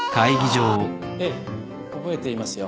ええ覚えていますよ。